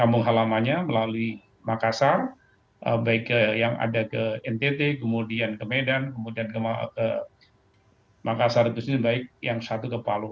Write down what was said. kampung halamannya melalui makassar baik yang ada ke ntt kemudian ke medan kemudian ke makassar baik yang satu kepalu